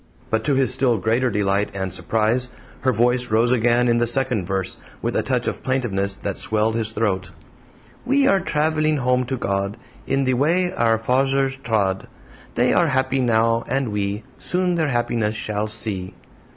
But to his still greater delight and surprise, her voice rose again in the second verse, with a touch of plaintiveness that swelled his throat: We are traveling home to God, In the way our farzers trod, They are happy now, and we Soon their happiness shall see.